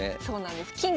そうなんです。